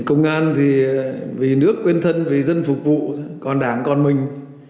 công an thì vì nước quên thân vì dân phục vụ còn đảng còn mình